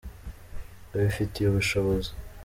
abifitiye ubushobozi.